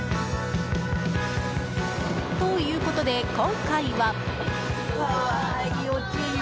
ということで今回は。